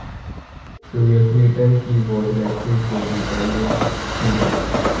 Two years later she was elected to the Belgian Chamber.